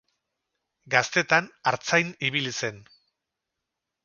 Gaztetan artzain ibili zen.